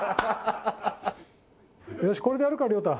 よしこれでやるか亮太。